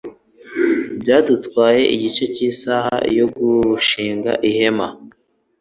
Byadutwaye igice cy'isaha yo gushinga ihema.